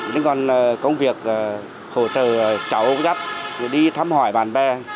nhưng còn công việc hỗ trợ cháu dắt đi thăm hỏi bạn bè